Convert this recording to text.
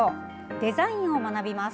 デザインを学びます。